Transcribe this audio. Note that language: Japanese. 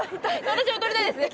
私も取りたいですね